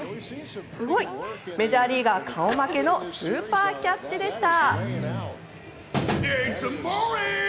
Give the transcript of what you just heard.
メジャーリーガー顔負けのスーパーキャッチでした。